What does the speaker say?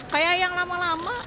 kayak yang lama lama